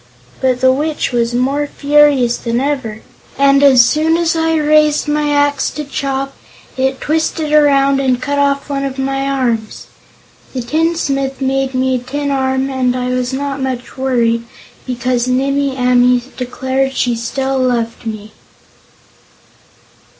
But the Witch was more furious than ever, and as soon as I raised my axe to chop, it twisted around and cut off one of my arms. The tinsmith made me a tin arm and I was not much worried, because Nimmie Amee declared she still loved me."